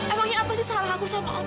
emangnya apa sih sama aku sama om